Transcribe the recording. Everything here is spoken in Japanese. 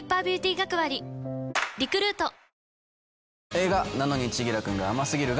映画『なのに、千輝くんが甘すぎる。』